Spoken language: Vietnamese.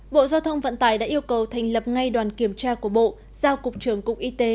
bộ giao thông vận tải đã yêu cầu thành lập ngay đoàn kiểm tra của bộ giao cục trưởng cục y tế